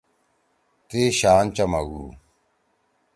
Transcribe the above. تی شان چَمَگُو۔